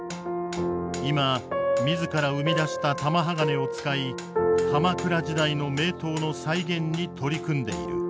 今自ら生み出した玉鋼を使い鎌倉時代の名刀の再現に取り組んでいる。